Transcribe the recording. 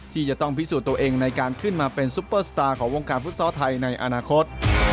ที่จะต้องพิสูจน์ตัวเองในการขึ้นมาเป็นซุปเปอร์สตาร์ของวงการฟุตซอลไทยในอนาคต